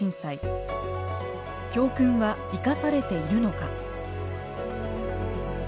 教訓は生かされているのか。